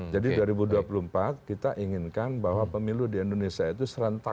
dua ribu dua puluh empat kita inginkan bahwa pemilu di indonesia itu serentak